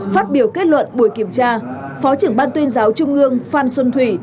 phát biểu kết luận buổi kiểm tra phó trưởng ban tuyên giáo trung ương phan xuân thủy